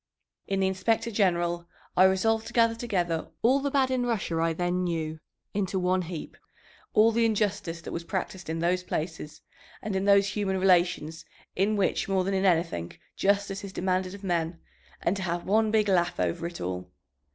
In the Inspector General I resolved to gather together all the bad in Russia I then knew into one heap, all the injustice that was practised in those places and in those human relations in which more than in anything justice is demanded of men, and to have one big laugh over it all.